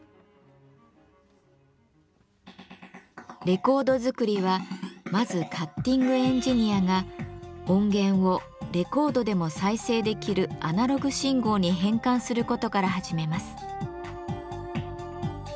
レコード作りはまずカッティングエンジニアが音源をレコードでも再生できるアナログ信号に変換することから始めます。